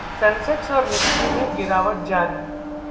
Sensex और Nifty में गिरावट जारी